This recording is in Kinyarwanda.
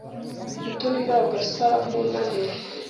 Mutoni ntabwo asa nkunaniwe.